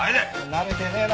慣れてねえな